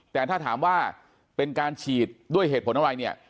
แต่ถ้าถามว่าเป็นการฉีดด้วยเหตุผลอะไรเนี่ย